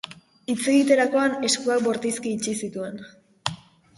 Hitz egiterakoan eskuak bortizki itxi zituen.